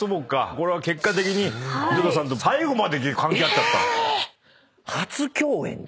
これは結果的に井戸田さんと最後まで関係あっちゃった。